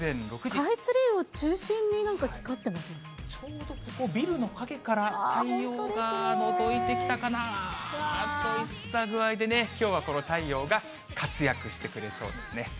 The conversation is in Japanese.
スカイツリーを中心に、ちょうどここ、ビルの陰から太陽がのぞいてきたかなといった具合でね、きょうはこの太陽が活躍してくれそうですね。